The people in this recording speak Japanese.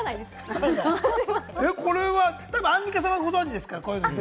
これはたぶんアンミカさんはご存じですから。